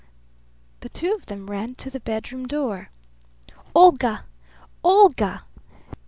The two of them ran to the bedroom door. "Olga! Olga!"